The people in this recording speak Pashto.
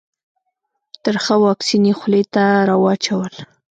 ترخه واکسین یې خولې ته راواچول.